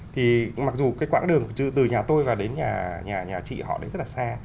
thì mặc dù cái quãng đường từ nhà tôi đến nhà chị họ đấy rất là xa